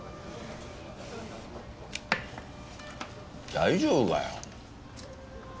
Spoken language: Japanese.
大丈夫かよ？